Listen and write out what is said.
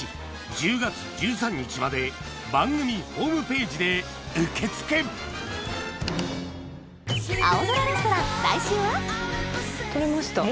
１０月１３日まで番組ホームページで受け付け採れました。